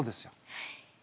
はい。